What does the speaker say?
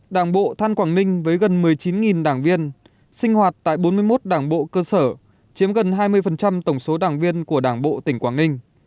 đảng bộ than quảng ninh với gần một mươi chín đảng viên sinh hoạt tại bốn mươi một đảng bộ cơ sở chiếm gần hai mươi tổng số đảng viên của đảng bộ tỉnh quảng ninh